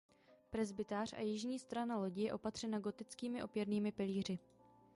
Presbytář a jižní strana lodi je opatřena gotickými opěrnými pilíři.